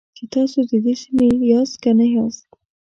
چې تاسو د دې سیمې یاست که نه یاست.